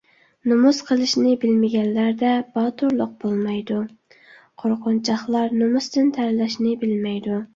نومۇس قىلىشنى بىلمىگەنلەردە باتۇرلۇق بولمايدۇ. قۇرقۇنچاقلار نومۇستىن تەرلەشنى بىلمەيدۇ.